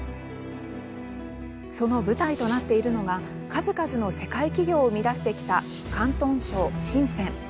その舞台となっているのが数々の世界企業を生み出してきた広東省・深セン。